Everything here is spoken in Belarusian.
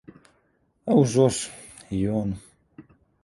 А ўжо ж, ён.